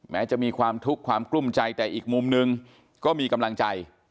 จะมีความทุกข์ความกลุ้มใจแต่อีกมุมนึงก็มีกำลังใจ